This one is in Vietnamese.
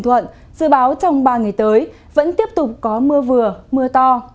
ở phía bình thuận dự báo trong ba ngày tới vẫn tiếp tục có mưa vừa mưa to